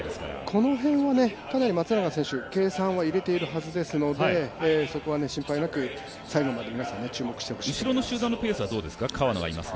この辺はかなり松永選手計算は入れてるはずですのでそこは心配なく、最後まで注目してほしいと思います。